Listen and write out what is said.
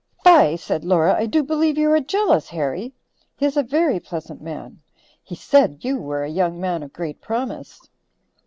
"Fie," said Laura, "I do believe you are jealous, Harry. He is a very pleasant man. He said you were a young man of great promise."